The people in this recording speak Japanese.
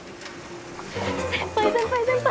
先輩先輩先輩！